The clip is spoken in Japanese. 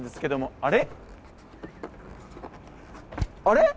あれ？